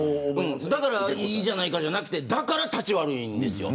だからいいじゃないかじゃなくてだから、たち悪いんですよ。